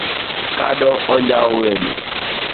Kado onjwawo welo